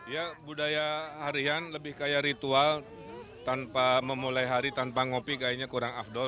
ya budaya harian lebih kayak ritual tanpa memulai hari tanpa ngopi kayaknya kurang afdol